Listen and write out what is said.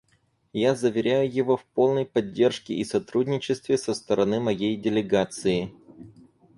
Я заверяю его в полной поддержке и сотрудничестве со стороны моей делегации.